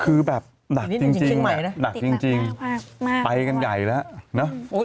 คือแบบหนักจริงจริงหนักจริงจริงมากมากไปกันใหญ่แล้วเนอะ